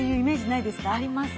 ありますね。